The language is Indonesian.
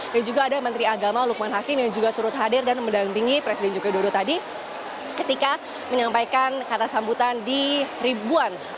dan juga ada menteri agama lukman hakim yang juga turut hadir dan mendampingi presiden jokowi dodo tadi ketika menyampaikan kata sambutan di ribuan